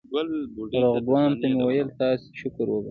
رضوان ته مې ویل تاسې شکر وباسئ.